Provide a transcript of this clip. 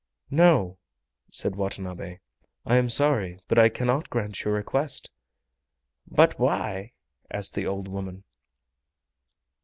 "No," said Watanabe, "I am sorry, but I cannot grant your request." "But why?" asked the old woman.